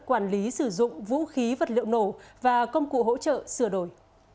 quản lý sử dụng vũ khí vật liệu nổ và công cụ hỗ trợ sửa đổi